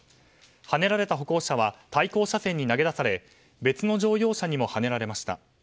はねられた歩行者は対向車線に投げ出され別の乗用車にもはねられました。